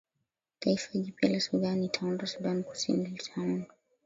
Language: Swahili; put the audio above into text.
taifa jipya la sudan itaundwa sudan kusini litaundwa